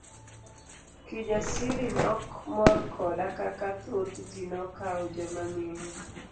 Kijasiri nok mor koda kaka thoth ji nokawo joma mine.